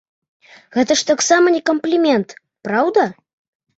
Гэта ж таксама не камплімент, праўда?